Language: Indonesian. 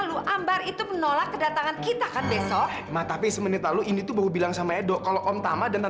sampai jumpa di video selanjutnya